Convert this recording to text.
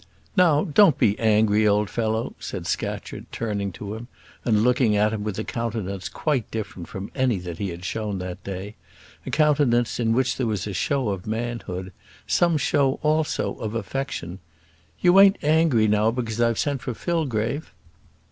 "Now don't be angry, old fellow," said Scatcherd, turning to him, and looking at him with a countenance quite different from any that he had shown that day; a countenance in which there was a show of manhood, some show also of affection. "You ain't angry now because I've sent for Fillgrave?"